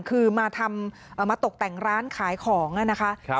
คือมาตกแต่งร้านขายของนะครับ